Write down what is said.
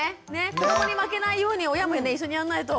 子どもに負けないように親も一緒にやんないと。